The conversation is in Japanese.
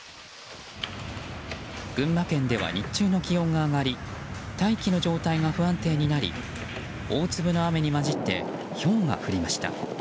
群馬県では日中の気温が上がり大気の状態が不安定になり大粒の雨に交じってひょうが降りました。